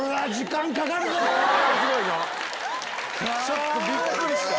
ちょっとびっくりした。